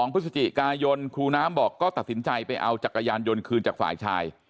พฤศจิกายนครูน้ำบอกก็ตัดสินใจไปเอาจักรยานยนต์คืนจากฝ่ายชาย